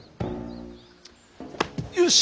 よし！